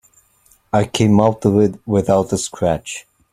I came out of it without a scratch.